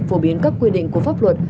phổ biến các quy định của pháp luật